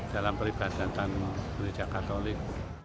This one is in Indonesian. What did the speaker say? dalam peribadatan gereja katolik